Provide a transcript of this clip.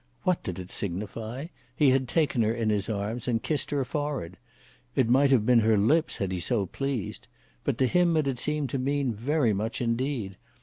What did it signify? He had taken her in his arms and kissed her forehead. It might have been her lips had he so pleased. But to him it had seemed to mean very much indeed.